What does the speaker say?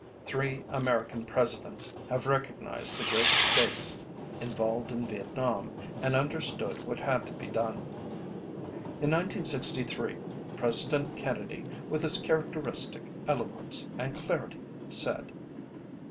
Three American Presidents have recognized the great stakes involved in Vietnam and understood what had to be done. In 1963 President Kennedy with his characteristic eloquence and clarity said